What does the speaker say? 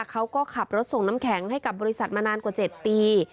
เขาก็ขับรถส่งน้ำแข็งให้กับบริษัทมานานกว่า๗ปี